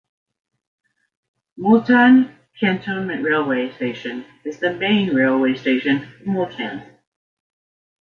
Multan Cantonment railway station is the main railway station of Multan.